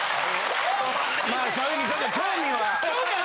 まあ正直ちょっと興味は。